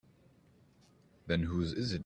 Then whose is it?